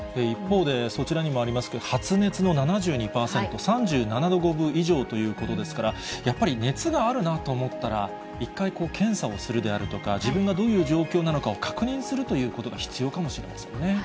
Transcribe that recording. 一方で、そちらにもありますけど発熱の７２％、３７度５分以上ということですから、やっぱり熱があるなと思ったら、１回検査をするであるとか、自分がどういう状況なのかを確認するということが必要かもしれませんね。